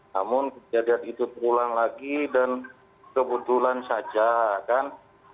namun kejadian itu terulang lagi dan kebetulan saja kan